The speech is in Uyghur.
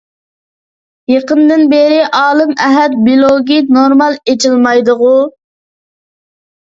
يېقىندىن بېرى ئالىم ئەھەت بىلوگى نورمال ئېچىلمايدىغۇ؟